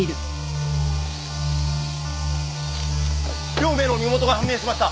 両名の身元が判明しました！